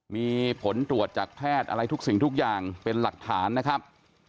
มีผลตรวจจากแพทย์อะไรทุกสิ่งทุกอย่างเป็นหลักฐานนะครับ